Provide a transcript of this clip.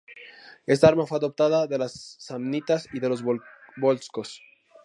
Esta arma fue adoptada de los samnitas y de los volscos.